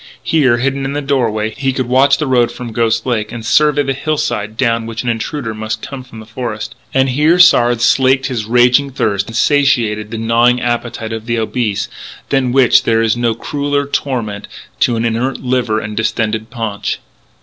Here, hidden in the doorway, he could watch the road from Ghost Lake and survey the hillside down which an intruder must come from the forest. And here Sard slaked his raging thirst and satiated the gnawing appetite of the obese, than which there is no crueller torment to an inert liver and distended paunch.